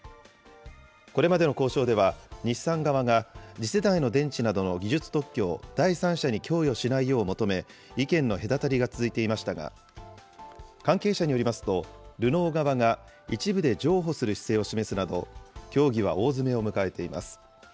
これまでの交渉では、日産側が次世代の電池などの技術特許を第三者に供与しないよう求め、意見の隔たりが続いていましたが、関係者によりますと、ルノー側が一部で譲歩する姿勢を示すなど、協議は大詰めを迎えています。